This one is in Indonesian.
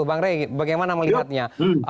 bang rey bagaimana melihatnya